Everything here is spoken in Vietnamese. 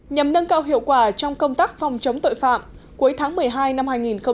nhằm nâng cao hiệu quả trong công tác phòng chống tội phạm cuối tháng một mươi hai năm hai nghìn hai mươi